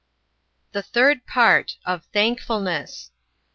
The Third Part Of Thankfulness 32.